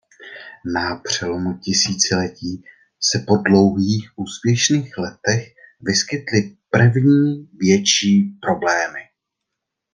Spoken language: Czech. Na přelomu tisíciletí se po dlouhých úspěšných letech vyskytly první větší problémy.